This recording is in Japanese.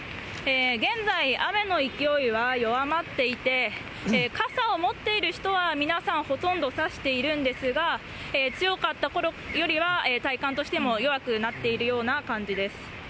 現在、雨の勢いは弱まっていて、傘を持っている人は、皆さん、ほとんど差しているんですが、強かったころよりは、体感としても弱くなっているような感じです。